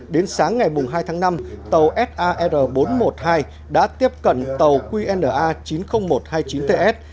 đến sáng ngày hai tháng năm tàu sar bốn trăm một mươi hai đã tiếp cận tàu qna chín mươi nghìn một trăm hai mươi chín ts